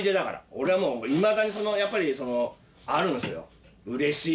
俺はもういまだにやっぱりあるんすよ。